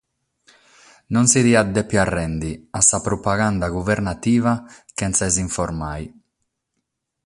Non si diat dèvere rèndere a sa propaganda guvernativa sena s’informare.